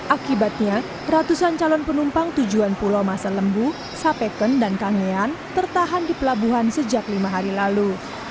akibatnya ratusan calon penumpang tujuan pulau masa lembu sapeken dan kangean tertahan di pelabuhan sejak lima hari lalu